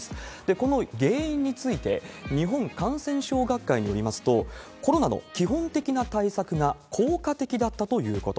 この原因について、日本感染症学会によりますと、コロナの基本的な対策が効果的だったということ。